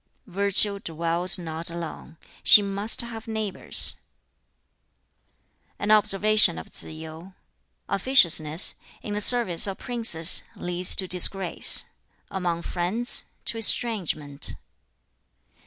"Virtue dwells not alone: she must have neighbors." An observation of Tsz yu: "Officiousness, in the service of princes, leads to disgrace: among friends, to estrangement."